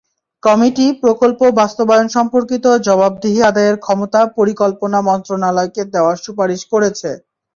Committee প্রকল্প বাস্তবায়নসম্পর্কিত জবাবদিহি আদায়ের ক্ষমতা পরিকল্পনা মন্ত্রণালয়কে দেওয়ার সুপারিশ করেছে।